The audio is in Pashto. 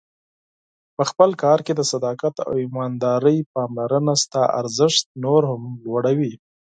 په خپل کار کې د صداقت او ایماندارۍ پاملرنه ستا ارزښت نور هم لوړوي.